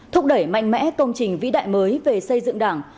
thúc đẩy mạnh mẽ công trình vĩ đại mới về xây dựng đảng